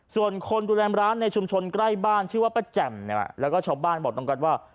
ส่วนคนดูแลมร้านในชุมชนใกล้บ้านชื่อว่าปะแจ่มแล้วก็ชอบบ้านบอกตรงกันว่า